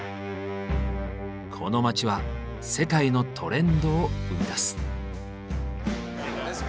この街は世界のトレンドを生み出す。